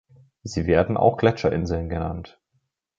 Sie werden auch Gletscherinseln genannt.